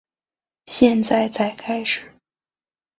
现在才开始